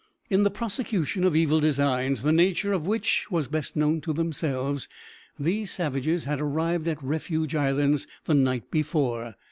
In the prosecution of evil designs, the nature of which was best known to themselves, these savages had arrived at Refuge Islands the night before.